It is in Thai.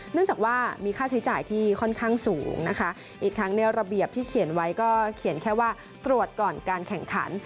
เนื่องจากว่ามีค่าใช้จ่ายที่ค่อนข้างสูงนะคะอีกทั้งในระเบียบที่เขียนไว้ก็เขียนแค่ว่าตรวจก่อนการแข่งขัน